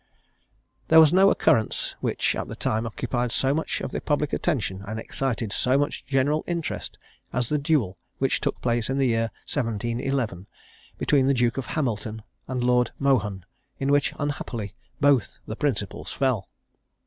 There was no occurrence which at the time occupied so much of the public attention, and excited so much general interest, as the duel which took place in the year 1711, between the Duke of Hamilton and Lord Mohun; in which, unhappily, both the principals fell.